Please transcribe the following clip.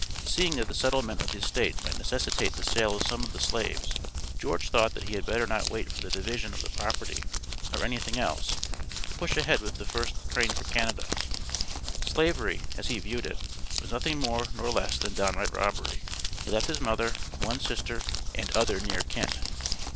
Seeing that the settlement of the estate might necessitate the sale of some of the slaves, George thought that he had better not wait for the division of the property or anything else, but push ahead with the first train for Canada. Slavery, as he viewed it, was nothing more nor less than downright robbery. He left his mother, one sister, and other near kin.